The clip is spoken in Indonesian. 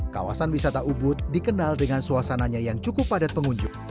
kawasan wisata ubud dikenal dengan suasananya yang cukup padat pengunjung